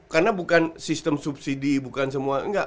karena bukan sistem subsidi bukan semua